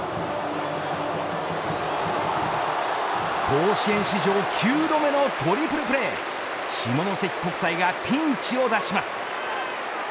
甲子園史上９度目のトリプルプレー下関国際がピンチを脱します。